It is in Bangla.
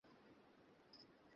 তাকে বলো আমি এখানে নেই।